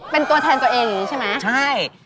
เป็นตัวแทนตัวเองอย่างนี้ใช่ไหมใช่